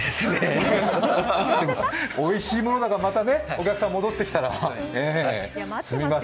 おいしいものだからお客さん、また戻ってきたら。